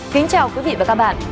kính chào quý vị và các bạn